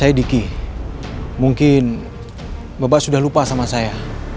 saya diki mungkin bapak sudah lupa sama saya